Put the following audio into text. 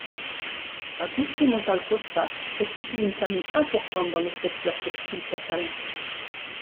Agustí Montal Costa est issu d'une famille importante dans le secteur textile catalan.